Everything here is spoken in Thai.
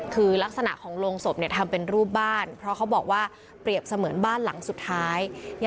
คือลักษณะของโรงศพทำเป็นรูปบ้านเพราะเขาบอกว่าเปรียบเสมือนบ้านหลังสุดท้าย